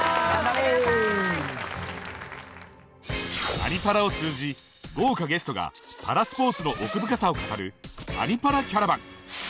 「アニ×パラ」を通じ豪華ゲストがパラスポーツの奥深さを語る「アニ×パラ」キャラバン。